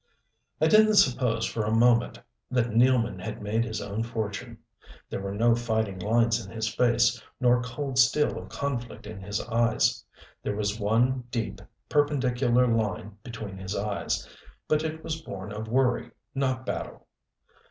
I didn't suppose for a moment that Nealman had made his own fortune. There were no fighting lines in his face, nor cold steel of conflict in his eyes. There was one deep, perpendicular line between his eyes, but it was born of worry, not battle.